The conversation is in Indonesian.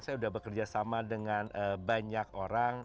saya sudah bekerjasama dengan banyak orang